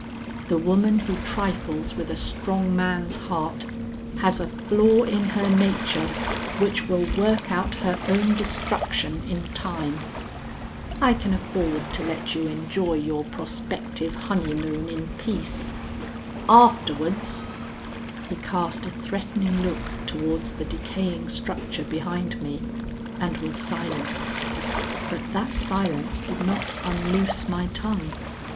The woman who trifles with a strong man's heart has a flaw in her nature which will work out her own destruction in time. I can afford to let you enjoy your prospective honeymoon in peace. Afterwards " He cast a threatening look towards the decaying structure behind me, and was silent. But that silence did not unloose my tongue.